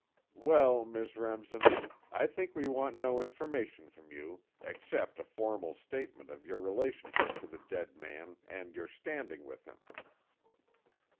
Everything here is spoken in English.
"Well, Miss Remsen, I think we want no information from you, except a formal statement of your relationship to the dead man and your standing with him."